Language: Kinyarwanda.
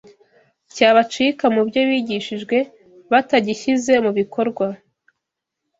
cyabacika mu byo bigishijwe batagishyize mu bikorwa